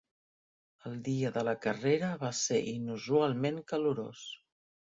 El dia de la carrera va ser inusualment calorós.